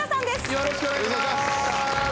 よろしくお願いします